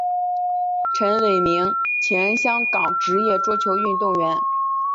陈伟明前香港职业桌球运动员。